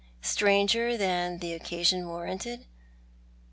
" Stranger than the occasion warranted